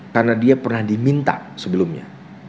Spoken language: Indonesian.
karena dia pernah diminta sebelumnya